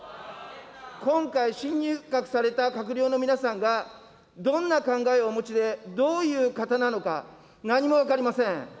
今回、新入閣された閣僚の皆さんが、どんな考えをお持ちで、どういう方なのか、何も分かりません。